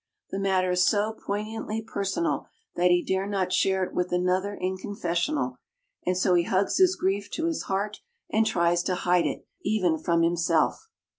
The matter is so poignantly personal that he dare not share it with another in confessional, and so he hugs his grief to his heart, and tries to hide it even from himself.